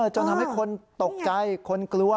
จนทำให้คนตกใจคนกลัว